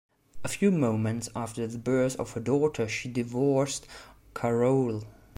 A few months after the birth of her daughter, she divorced Carroll.